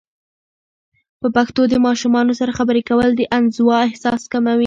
په پښتو د ماشومانو سره خبرې کول، د انزوا احساس کموي.